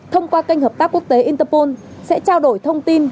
thông qua kênh hợp tác quốc tế interpol sẽ trao đổi thông tin